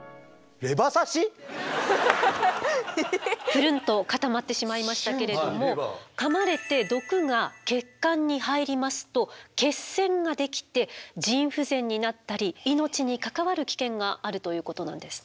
ぷるんと固まってしまいましたけれどもかまれて毒が血管に入りますと血栓ができて腎不全になったり命に関わる危険があるということなんですね。